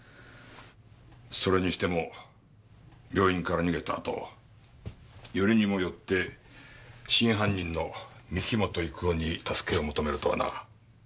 それにしても病院から逃げたあとよりにもよって真犯人の御木本郁夫に助けを求めるとはな。